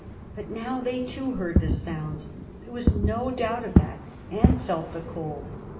But now they, too, heard the sounds there was no doubt of that and felt the cold.